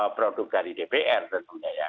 produk dari dpr tentunya ya